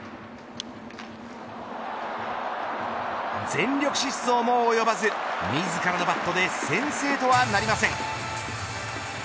全力疾走も及ばず、自らのバットで先制とはなりません。